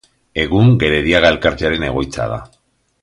Egun Gerediaga Elkartearen egoitza da.